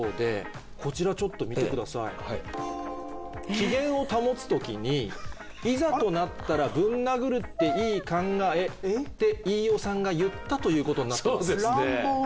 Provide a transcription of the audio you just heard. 機嫌を保つ時に「いざとなったらぶん殴るっていい考え」って飯尾さんが言ったということになってます。